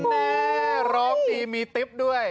แม่ร้องดีมีติ๊บด้วย